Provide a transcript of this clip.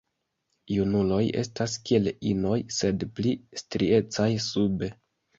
Junuloj estas kiel inoj, sed pli striecaj sube.